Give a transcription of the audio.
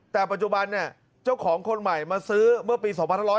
แต่ปัจจุบันเนี่ยเจ้าของคนใหม่มาซื้อเมื่อปี๒๕๖๐